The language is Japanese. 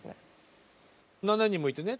７人もいてね